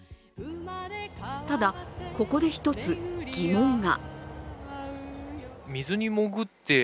ただ、ここで一つ疑問が。